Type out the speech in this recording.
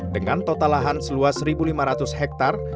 dengan totalahan seluas satu lima ratus hektare